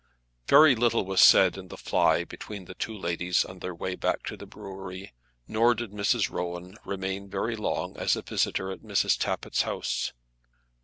Very little was said in the fly between the two ladies on their way back to the brewery, nor did Mrs. Rowan remain very long as a visitor at Mrs. Tappitt's house.